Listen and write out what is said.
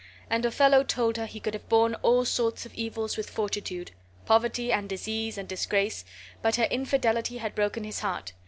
And Othello told her he could have borne all sorts of evils with fortitude poverty, and disease, and disgrace but her infidelity had broken his heart.